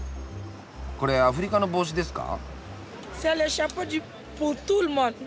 これアフリカの帽子ですか？